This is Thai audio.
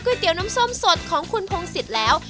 เตี๋ยวน้ำส้มสดของคุณพงศิษย์แล้ว